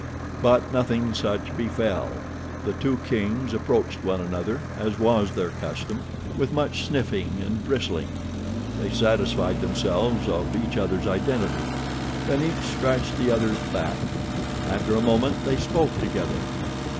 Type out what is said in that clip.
But nothing such befell. The two kings approached one another, as was their custom, with much sniffing and bristling. They satisfied themselves of each other's identity. Then each scratched the other's back. After a moment they spoke together.